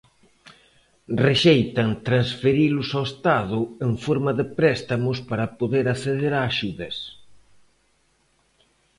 Rexeitan transferilos ao Estado en forma de préstamos para poder acceder a axudas.